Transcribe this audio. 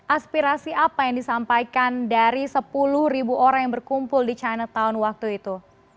aspirasi apa yang disampaikan dari sepuluh ribu orang yang berkumpul di chinatown waktu itu